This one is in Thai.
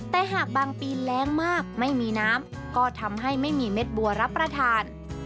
แต่หากบางปีแรงมากไม่มีน้ำก็ทำให้ไม่มีเม็ดบัวรับประทาน